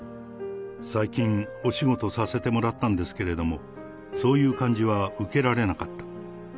最近、お仕事させてもらったんですけれども、そういう感じは受けられなかった。